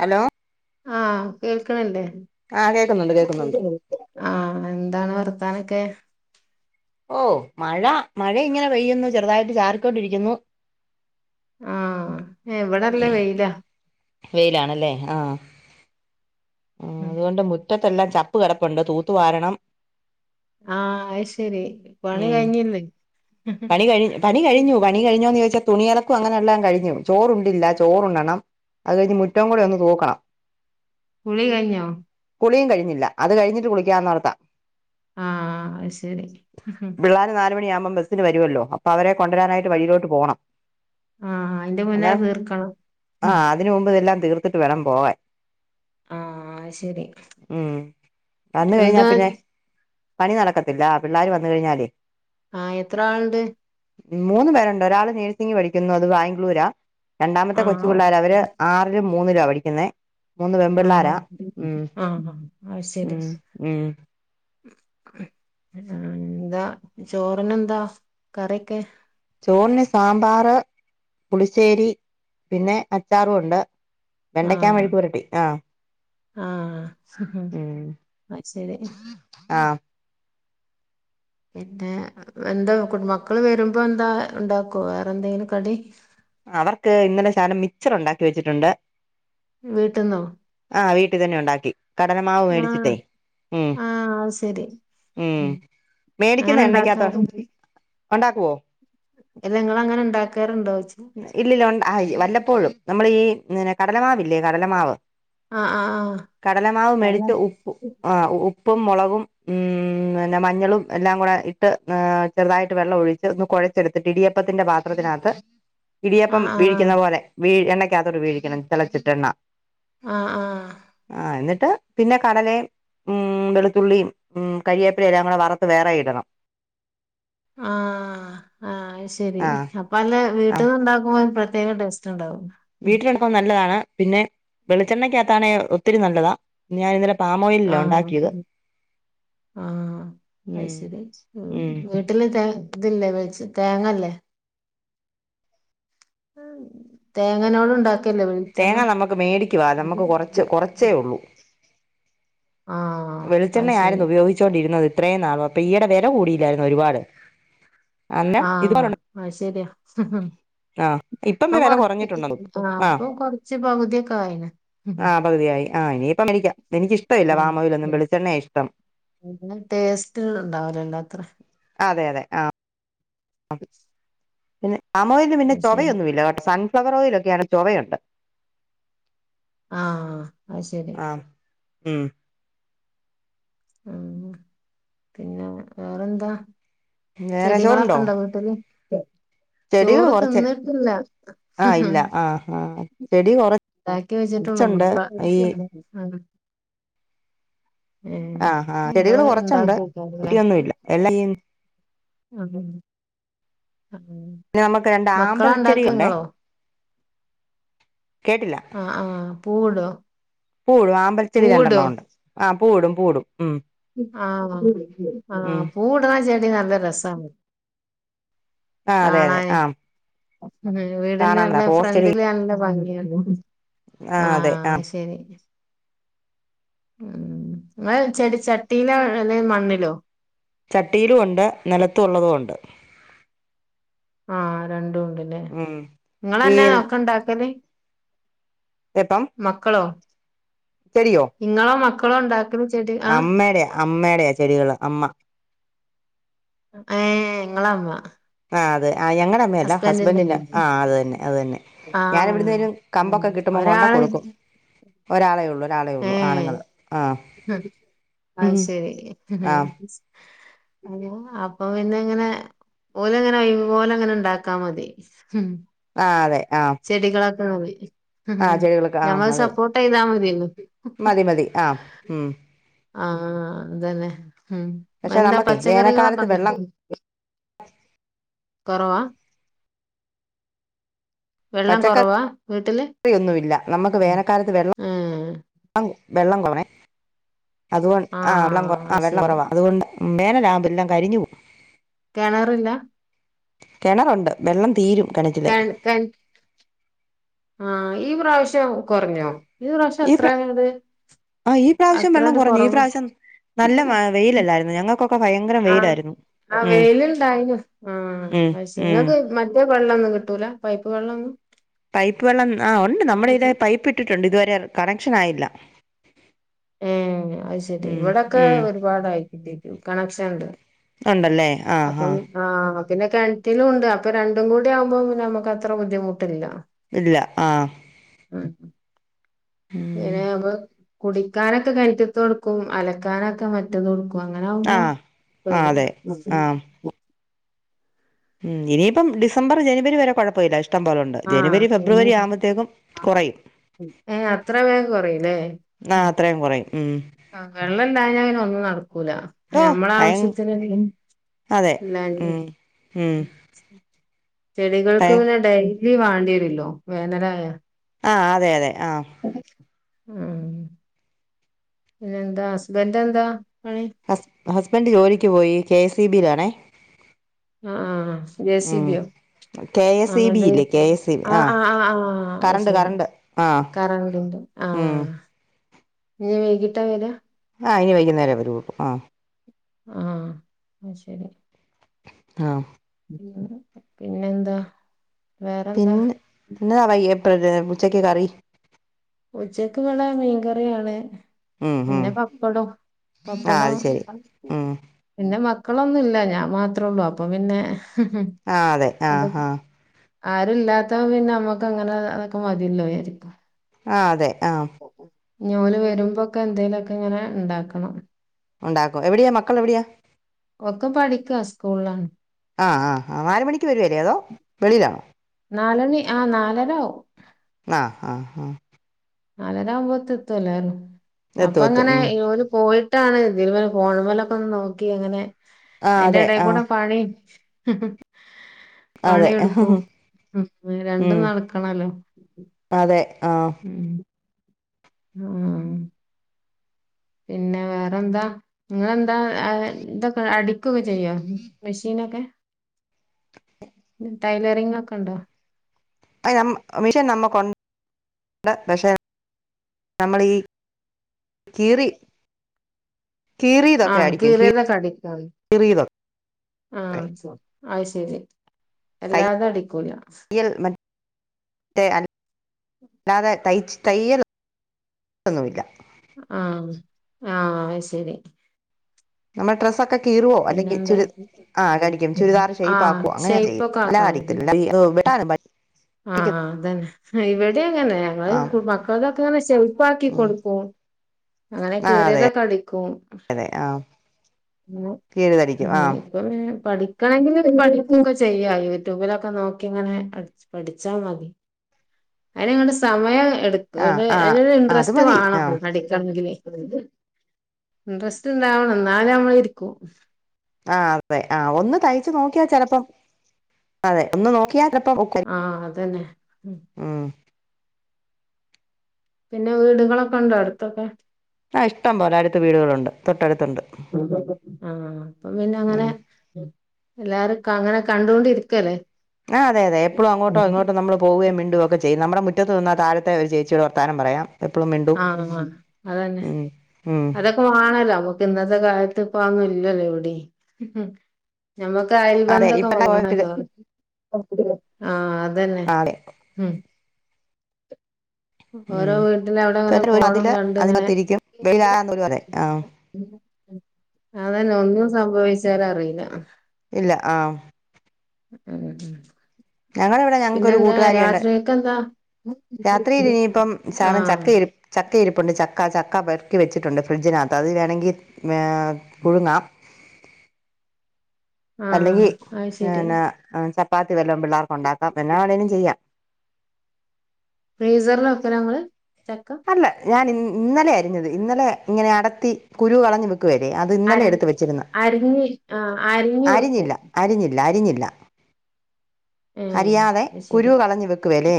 Hello ആഹ കേൾക്കണണ്ട് ആ കേക്കുന്നുണ്ട് കേക്കുന്നുണ്ട് ആഹ എന്താണ് വർത്താനം വാർത്തനമൊക്കെ ഓ മഴ മഴ ഇങ്ങനെ പെയ്യുന്നു ചെറുതായിട്ട് ചാറിക്കൊണ്ടിരിക്കുന്നു ആഹാ എ ഇവിടല്ല വെയില വെയിലാണല്ലേ ആഹ ആ ഉം. അതുകൊണ്ട് മുറ്റത്തെല്ലാം ചപ്പ- ഉപ്പ് കിടപ്പുണ്ട് തൂത്തു വാരണം ആ അത്ശരി പണി ഉം കഴിഞ്ഞിന് തുണിലക്കും അങ്ങനെല്ലാം കഴിഞ്ഞു ചോറുണ്ടില്ല ചോറുണണം അത് കഴിഞ്ഞമുറ്റം കൂടി ഒന്ന് തൂ ക്കണം കുളി കഴിഞ്ഞോ കുളിയും കഴിഞ്ഞില്ല അത് കഴിഞ്ഞിട്ട് കുളിക്കാന്ന് ഓർത്തതാ ആ അയ്ശരി ആ പിള്ളേർ നാല് മണിയാകുമ്പം ബസ്സിന് വരുവല്ലോ അപ്പൊ അവരെ കൊണ്ടുവരാനായിട്ട് വഴിയിലോട്ട് പോകണം ആ അയിന്റെ മുന്നെ തീർക്കണം ഉം തിന് മുമ്പ്തെല്ലാം തീർത്തിട്ട് വേണം പോവാൻ ആഹ് അത് ശരി ഉം വന്ന് കഴിഞ്ഞാ എന്താ പിന്നെ പണി നടക്കത്തില്ല പിള്ളാര് വന്ന് കഴിഞ്ഞാല് ആ എത്ര ആളു ണ്ട് മൂന്ന് പേരുണ്ട് ഒരാള് നഴ്സിംഗ് പഠിക്കുന്നു അത് ബാംഗ്ലൂരാ രണ്ടാമത്തെ കൊച്ച് ചു ആഹ് പിള്ളേര് അവര് ആറിലും മൂന്നിലാ പഠി ക്കുന്നേ മൂന്ന് ആഹ് പെമ്പിള്ളാരാ ഉം ആഹ് ഉം ഉം ഉം എന്താ ചോറിനെന്താ കറിയൊക്കെ ചോറിന് സാമ്പാറ് പുളിശ്ശേരി പിന്നെ അച്ചാറുണ്ട് വെണ്ടയ്ക്കാ ആഹ് മെഴുകുപുരട്ടി ആഹ് ആഹ് ഉം അത് ശരി ആഹ് പിന്നെ എന്താ മക്കള് വരുമ്പോ എന്താ ഉണ്ടാക്കോ വേറെ എന്തെങ്കിലും കടി അവർക്ക് ഇന്നലെ ശാനം മിക്ച്ചർ ഉണ്ടാക്കി വെച്ചിട്ടുണ്ട് വീട്ട്ന്നോ? ആ വീട്ടി തന്നെ ഉണ്ടാക്കി കടലമാവ് മേടിച്ചിട്ടെ ഉം ആഹ് അത് ശരി ഉം അങ്ങനെ മേടിക്കുന്ന എണ്ണക്കകത്ത് ഒണ്ടാക്കുവോ ഇല്ല നിങ്ങളങ്ങനെണ്ടാക്കാ ഇല്ലില്ല ഉണ്ട് അയ്‌ വല്ലപ്പോഴും നമ്മള് ഈ പിന്നെ കടലമാവില്ലേ കടലമാവ് ആഹ് ആഹ് കടലമാവ് മേടിച്ച് ആഹ് ഉപ്പ് ആ ഉപ്പും മൊളകും വും ഉം പിന്നെ മഞ്ഞളും എല്ലാം കൂടെ ഇട്ട് ഏഹ് ചെറുതായിട്ട് വെള്ളം ഒഴിച്ച് ഒന്ന് കുഴച്ചെടുത്തിട്ട് ഇടിയപ്പത്തിന്റെ പാത്രത്തിനകത്ത്. ഇടിയപ്പം ആഹ് ആഹ് വീഴിക്കുന്ന പോലെ വീണ്. കുഴിക്കകത്തേക്ക് വീഴിക്കണം തിളച്ചിട്ട് എണ്ണ. ആഹ് ആഹ് ആഹ് എന്നി ട്ട് പിന്നെ കടലയും ഉം വെളുത്തുള്ളിയും ഉം കരിയേപ്പിലെല്ലാം വറുത്ത് വേറെ ഇടണം. ആഹ് ആഹ് ശരി ആ അപ്പൊ അല്ല. വീട്ടിന്ന് ഉണ്ടാക്കുമ്പോ ഒരു പ്ര പ്രത്യേക ടേസ്റ്റ് ഉണ്ടാവും. വീട്ടിൽ ഉണ്ടാവുമ്പോ നല്ലതാണ്. പിന്നെ വെളിച്ചെണ്ണയ്ക്ക് അകത്താണേൽ. ഒത്തിരി നല്ലതാ, ഞാനിന്നലെ ആഹ ആഹ ഉം അത്ശരി ഉം വീട്ടില ഇതില്ലേ വെജ് തേങ്ങല്ലേ തേങ്ങനോട്ണ്ടാക്ക തേങ്ങ നമുക്ക് മേടിക്കുവാ, നമുക്ക് കുറച്ച് കൊറച്ചേ ഉള്ളൂ. ആഹ് വെളിച്ചെണ്ണ അത് ശരി ആയിരുന്നു ഉപയോഗിച്ചോണ്ടിരുന്നത്, ഇത്രയും നാളോ അപ്പൊ ഈടെ വില കൂടിയില്ലായിരുന്നോ ഒരുപാട് അന്നേരം ആഹ ഇതുപോലുണ്ട് ആ ശരിയാ ഹഹ ആഹ് ഇപ്പം ഇപ്പൊ വില കുറഞ്ഞിട്ടുണ്ടോ കൊറച്ച് ആ ആഹ് അപ്പൊ കൊറച്ച് പകുതിയൊക്കെ ആയിന ആഹ് പകുതിയായി ആഹ് ഇനിയിപ്പം മേടിക്കാം എനിക്കിഷ്ടമില്ല പാമോയിലൊന്നും വെളിച്ചെണ്ണയാ ഇഷ്ടം ടേസ്റ്റ് ഇണ്ടാവലല്ലോത്ര അതെ അതെ ആ [inaudible] പിന്നെ പാമോയില് പിന്നെ അത് ശരി ചൊവയൊന്നുമില്ല കേട്ടൊ സ ഫ്ളവറോയിലൊക്കെയാണ് ചൊവയുണ്ട്. ആഹ അത് ശരി ആഹ് ഉം ഉ പിന്നെ വേറെന്താ? വേറെ ചെടികളൊക്കെ ചോറുണ്ടോ ഇണ്ടോ വീട്ടില്? [unintelligible] ചെടികൾ ചോറ് കുറച്ച് തിന്നിട്ടില്ല ഹ് ആഹ് ഇല്ല ആഹ് ആഹ് ചെടി ഹ്ഇൺടാക്കി വെച്ചിട്ടുള്ളു മു കുറച്ചുണ്ട് ഈ ഉം ആ ചെടികള് കുറച്ചുണ്ട് കുട്ടിയൊന്നുംല്ല എല്ലാം ആഹ് പിന്നെ നമുക്ക് രണ്ട് മക്കളാ ഇണ്ടാക്ക ആമ്പൽച്ചെടിയുണ്ടേ ഇങ്ങളോ കേട്ടില്ല. ആഹ് ആഹ് പൂവിടോ പൂവുളള ആമ്പൽച്ചെടി രണ്ടെണ്ണം ഉണ്ട് ആ പൂവിടും, പൂവിടും ഉം ആഹ ആഹ ഉം പൂവ്ടാ ചെ അ നല്ല രസമാണ് ആ അതെ അതെ ആഹ ഉ വീടിന്റെ നല്ല ഫ്രണ്ടില നല്ല ഭംഗ [unintelligible] ആ അതെ ആ ആഹ ശരി ഉ ങ്ങ ചെടി ചട്ടീയിലെ എല്ല മണ്ണിലോ ചട്ടിയിലും ഉണ്ട് നിലത്തും ഉള്ളതും ഉണ്ട് ആ രണ്ടുംണ്ട് പിന്നെ ഉം ഈ നിങ്ങന്നാ ഓക്ക ഇണ്ടാക്കല് ഇപ്പം മക്കളോ നിങ്ങളെ മക്ക ഇങ്ങളാണ്ടാക [unintelligible] അമ്മയുടെ അമ്മയുടെയാ ചെടികള് അമ്മ ഏ ങ്ങള അമ്മ ആ അതെ ആ ഞങ്ങളടെ അമ്മയല്ലോ ഹസ്ബൻഡറിന്റെ ഇമ്മേ ആ അത് തന്നെ അത് തന്നെ ഞാൻ ആഹ് എവിടുന്നേരും ഉം കമ്പൊക്കെ കിട്ടുമ്പോം കൊണ്ട കൊടുക്കും ഒരാളെ ഉള്ളൂ ഒരാളെ ഹേ ഉള്ളൂ ആണുങ്ങള് ആ അയ് ഉം ശരി ആ അത അപ്പൊ പിന്ന ഇങ്ങനെ ഓലങ്ങനെ ഓയ്വ്പോലെ അങ്ങനെ ഉണ്ടാക്കാ മതി ഉ ആ അതെ ആ ചെടികളൊ ആ പോയി ആ [unintelligible] ചെടികളൊക്കെ ആ ഞമ്മള് അതെ സപ്പോർട്ട് ചെയ്താൽ മതിയ മതി മതി ആ് ഉം ആ അതന്നെ ഉം പക്ഷെ എന്താ നമുക്കേ പച്ചക്കറികളൊക്കെണ്ട ഓ കൊറോവാ പച്ചക്കറിഒന്നുമില്ല നമ്മുക്ക് വേനക്കാലത്ത് വെള്ളം ഏഹ് വെള്ളം കുറവാണ് അതുകൊണ്ട് ആ വെള്ളം ആഹ് ആ അത് വെള്ളം ശരി കുറവാ അതുകൊണ്ട് ഉ വേന ലാമ്പ എല്ലാം കരിഞ്ഞപോകും കിണറില്ല കിണറുണ്ട് വെള്ളം തീരും കിണറ്റിലെ കേണ് കേ ആ ഈ പ്രാവശ്യം കുറഞ്ഞോ? പ്രാവശ്യം ഈ അത്ര പ്രാ അങ്ങട് ആ ഈ പ്രാവശ്യം വെള്ളം അത്രണ്ട് കുറഞ്ഞു ഈ കുറവ് പ്രാവശ്യം നല്ല മാ വെയിലല്ലായിരുന്നൊ ഞങ്ങ ആഹ് ആ വെയിലുണ്ടായിനു ആഹ് ഉം അയ് ശെരി ഉം ങ്ങക്ക് മറ്റേ വെള്ളൊന്നും കിട്ടൂല പൈപ്പ് വെള്ളൊന്നും? പൈപ്പ് വള്ളം ആ ഉണ്ട് നമ്മള്തിലെ പൈപ്പ് ഇട്ടിട്ടുണ്ട് ഇത് വരെ യാണ് കണക്ഷൻ ആയില്ല. ഏ അയ് ശെരി ഉം ഇവിടൊക്കെ ഉം ഒരുപാടായിട്ട്ണ്ട്. കണക്ഷൻ ഇണ്ട്. ഉണ്ടല്ലേ ആ ആഹ് പിന്നെ കെണറ്റിലും ണ്ട് അപ്പൊ രണ്ടും കൂടി ആകുമ്പോം നമുക്ക് അത്ര ബുദ്ധിമുട്ടില്ല. ഇല്ല ആഹ് ഉം ഇങ്ങനെ അപ്പൊ കുടിക്കാനൊക്കെ കെൻറ്റിത്തെട്ക്കും അലക്കാനൊക്കെ മറ്റേതുട്ക്കും. അപ്പം അങ്ങനെ ആ ആവുമ്പോ ആ ഇപ്പല്ല അതെ ആ ഉം ഇനിയിപ്പം ഡിസംബർ ജനുവരി വരെ കുഴപ്പല്ല. ഇഷ്ടംപോലുണ്ട് ജനുവരി ഫെബ്രുവരി ആഹ് ആവുമ്പോത്തേക്കും കുറയും ഏഹ് അത്ര വേഗം ആ അത്രയും കുറയും ഉം ആഹ് വെള്ളംല്ലാഞ്ഞ അങ്ങനെ ഒന്ന് നട ക്കൂല ഓ ഞമ്മള ഭയ ആവശ്യത്തിന് അതെ ഉം ഉം [unintelligible] ചെടികൾക്ക് ഭയ പിനെണ്ടായി. ഇ വാണ്ടീരില്ലോ വേനലായ ആഹ് അതെ അതെ ആഹ് ഉം പിന്നെ എന്താ ഹസ്ബന്റ് എന്താ പണി ഹസ്ബൻഡ് ജോലിക്ക് പോയി കെ സ് ഇ ബി ലാണെ. ആഹ് ആഹ് ജെ സി ബിയോ കെ ആ എസ് ഇ ബി അത് ഇല്ലേ കെ എസ് ഇ ബി ആ ആ ആ ആ കറണ്ട് അയ്ശെരി കറണ്ട് ആ കറന്റിന്റെ ഉം ആഹ് ഇനി വൈകിട്ടാ വരാ? ആ ഇനി വൈകുന്നേരം വരുക്കും ആ ആഹ് ആ ശരി ആഹ് ഉം പിന്നെന്താ വേറെന്താ പിന്നെ പിന്നാ വയ്യെ [unintelligible] ഉച്ചക്ക് കറി ഉച്ചക്ക് ഇവടെ മീൻകറിയാണ്, ഉം ഉം പിന്നെ പപ്പടം ആ പപ്പടം അത് ശരി ഉം പിന്നെ മ മക്കളൊന്നുല്ല ഞാൻ മാത്രള്ളു അപ്പം പിന്നെ ആ അതെ ആ ഹാ ആരുല്ലാത്തപ്പ പിന്നെ നമ്മക്ക് അങ്ങനെ അതൊക്കെ മതില്ലോ പിന്നെ ക്കേ ആ അതെ ആ ഓല് വരുമ്പോക്കെ എന്തെലൊക്കെങ്ങനെ ഇണ്ടാക്കണം ഉണ്ടാക്കും എവിടെയാ മക്കൾ എവിടെയാ ഒക്കെ പഠിക്കാ സ്കൂളിലാണ്. ആ ആ നാല്മണിക്ക് വെരൂലേ അതോ വെളിയിലാണോ നാലണി ആ നാലര ആവും ആ ആ ആ നാലരാവുമ്പത്തെത്തുല്ലാരും എത്തും എത്തും അപ്പങ്ങനെ ഉം. ഇവര് പോയി ട്ടാണ് തിൽ മെല് ഫോൺമലൊക്കെ ഒന്ന് നോക്കി അങ്ങനെ ആ അയിന്റെ അതെ ആ എടെകൂടെ പണീം ഹ് ഹ് അതെ പണിട്ക്കും മ് രണ്ടും ഉം. നടക്കണല്ലോ അതെ ആ മ് ആ പിന്നെ വേറെന്താ നിങ്ങളെന്താ [unintelligible] ഇതൊ ക്കെ അടിക്കൊക്കെ ചെയ്യോ മിഷീനൊക്കെ ടൈലറിങ്ങോക്കെണ്ടോ അ നമ്മ മിഷീൻ നമ്മക്കൊണ്ട് പക്ഷെ നമ്മളീ കീറി ആ കീറിയതൊക്കെ അടിക്കും കീറീതൊക്കെ അടിക്കും കീറിയതൊക്കെ ആ [unintelligible] അഹ്‌ ശെ രി എല്ലാതെ അടിക്കൂല റ്റെ അ ല്ലാതെ തയിച്ച് തയ്യൽ ഒന്നൂല്ല ആ ആ അഹ് ശെരി നമ്മേ ട്രസ്സൊക്കെ കീറോ അല്ലെങ്കി ചുരി ആ അടിക്കും ചുരിദാർ ഷേപ്പ് ആഹ് ആക്കു അങ്ങനെയ ചെയ്യും ഷേയ്പ്പൊക്കെ അല്ലാ അടിക്കില്ല [unintelligible] വെട്ടാനൊന്നും പറ്റി ആ ആ അതന്നെ ഹ ഇവെ ടെങ്ങനെ ഞങ്ങൾ ആ [unintelligible] മക്കൾതൊക്കെങ്ങനെ ഷെയ്പ്പാക്കി ഉം. കൊട്ക്കും അങ്ങനെ ആ അതെ കീറിയതൊക്കെ അടിക്കും [unintelligible] അതെ ആ ഹ കീറി തടിക്കും ഹാ ആ ഇപ്പ ഇങ്ങ പഠിക്കാൻങ്കില് പഠിക്കൊക്കെ ചെയ്യാ യൂട്യൂബിലൊക്കെ നോക്കി ഇങ്ങനെ അട്ച്ച് പഠിച്ചാ മതി അയിന് ഇങ്ങട്ട് സമയം എടുക്ക് അത് ആഹ് ആഹ് അയിനൊരു അത് ഇൻട്രസ്റ്റ് മതി വാണം ആഹ് പഠിക്കണങ്കില് [unintelligible] ഇൻട്രസ്റ്റ് ഇണ്ടാവണം ഇന്നാ അനെ നമ്മള് ഇരിക്കു ആ അതെ ആ ഒന്ന് തയ്ച്ചു നോക്കിയാ ചെലപ്പം അതെ ഒന്ന് നോക്കിയാ ചെല ആ അതന്നെ ഉം പിന്നെ വീടുകളൊക്കെ ഉണ്ടോ അടുത്തൊക്കെ ആ ഇഷ്ടം പോലെ അടുത്ത് വീടുകളുണ്ട് തൊട്ടടുത്തുണ്ട് ഉം എല്ലാരുക്കെ അങ്ങനെ കണ്ടുകൊണ്ടിരിക്കല്ലേ ആ അതെ അതെ എപ്പഴും അങ്ങോട്ടോ ഇങ്ങോട്ടോ നമ്മള് പോവേം മിണ്ടുവൊക്കെ ചെയ്യും നമ്മുടെ മുറ്റത്ത് നിന്നാ താഴത്തെ ഒരു ചേച്ചിയോട് വർത്താനം പറയാം. എപ്പളും മിണ്ടും ആഹ് അതന്നെ ഉം ഉം അതൊക്കെ വേണല്ലോ നമക്ക് ഇന്നത്തെ കാലത് ത്ത് ഇപ്പൊ അതൊന്നും ഇല്ലല്ലോ എവിടീം നമ്മക്ക് അയൽ അതെ ബെന്ധൊക്കെ ഇപ്പ പോയിട്ടില്ല വേണല്ലോ ആഹ് അതന്നെ ആഹ് അതെ ഓരോ ഉം വീട്ടില് അവിടിങ്ങനെ ഇപ്പ ഫോണ് അതില് കണ്ടിങ്ങനെ അതിനകത്തിരിക്കും വെയിലായാ പോലും അതെ ആഹ് അതന്നെ ഒന്നും സംഭവിച്ചാലും അറിയില്ല ഇല്ല ആഹ് ഉം ഉം ഞങ്ങടെ ഇവടെ ഞങ്ങക്കൊരു പിന്നെന്താ കൂട്ടുകാരിയുണ്ട്, രാത്രിക്കെന്താ രാത്രിയില് ഇനിയിപ്പം ശെകലം ആഹ് ചക്ക ഇരി ച ചക്ക ഇരിപ്പുണ്ട് ചക്ക ചക്ക പെറുക്കി വെച്ചിട്ടുണ്ട്, ഫ്രഡ്ജിനകത്ത് അത് വേണെങ്കി ഏഹ് പുഴുങ്ങാം ആഹ് അല്ലെങ്കി അത് ശരി [unintelligible] പാത്തി വല്ലം [unintelligible] ണ്ടാക്കാം പിന്നാണെങ്കിലും ചെയ്യാം ഫ്രീസറിലൊക്കെ നമ്മള് അല്ല ഞാൻ ഇ ഇന്നലെ അരിഞ്ഞത് ഇന്നലെ ഇങ്ങനെ അടത്തി കുരു കളഞ്ഞു വെ വ അത് ഇന്നലെ അരി എടുത്ത് വച്ചിരുന്ന അരിഞ്ഞ് ആഹ് അരിഞ്ഞ് വെക്കും അരിഞ്ഞില്ല അരിഞ്ഞില്ല എല്ലാരിഞ്ഞില്ല ഏഹ് അരീയാതെ അത് കുരു ശരി കളഞ്ഞു വെക്കും ക്ക് വെലേ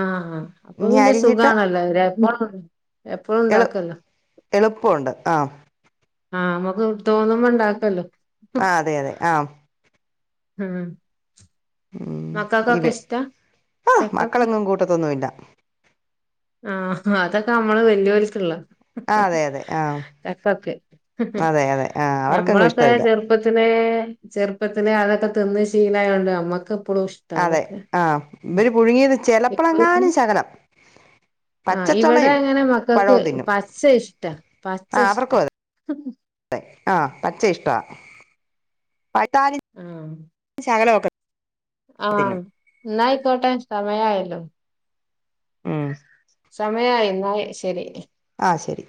ആഹ് അപ്പൊ പിന്നെ സുഖ കാണല്ലോ അവര്പ്പോഴ എപ്പോഴും എളു ഇണ്ടാക്കല്ലോ എളുപ്പമുണ്ട് ആ ആ മ്മക്ക് തോന്നുമ്പണ്ടാക്കല്ലോ ആ അതെ അതെ ആ ഉം ഇവ മക്കൾക്കൊക്കെ ഇഷ്ട ആ ചെക്കൊക്കെ മക്കളെങ്ങും കൂട്ടത്തൊന്നുമില്ല ആ അതൊക്കെ നമ്മള് വെ വെല്ല്യോള്ക്ക്‌ള്ള ആ അതെ അതെ ആ ചക്കക്കെ അതെ അതെ ആ അവർക്കങ്ങും ഞമ്മളൊക്കെ ഇഷ്ടമില്ല ചെറുപ്പത്തിലേ ചെറുപ്പത് ത്തിലെ അതൊക്കെ തിന്ന് ശീലായോണ്ട് അമ്മക്ക് അതെ ആ ഇവര് പുഴുങ്ങിയത് ചിലപ്പോഴെങ്ങാനും ശകലം ആ ഇവിടെ പച്ചച്ചൊളയും അങ്ങനെ മക്കക്ക് പഴവും തിന്നും പച്ച ഇഷ്ട്ടാ പച്ച ആ ഇഷ്ട്ടാ. അവർക്കും അതെ ആ പച്ച ഇഷ്ട്ട. ആ ശകലൊക്കെ ആ ന്നായിക്കോട്ടെ സമയായല്ലോ. ഉം സമയ ആയിന്ന്‌. ആയ് ശരി. ആ ശെരി.